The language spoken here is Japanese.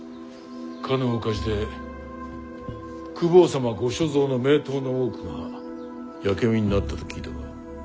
かの大火事で公方様ご所蔵の名刀の多くは焼け身になったと聞いたが。